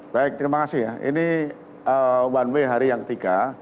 baik terima kasih ya ini one way hari yang ketiga